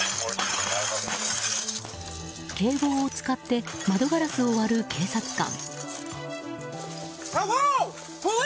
警棒を使って窓ガラスを割る警察官。